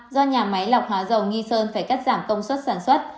do nhà máy lọc hóa dầu nghi sơn phải cắt giảm công suất sản xuất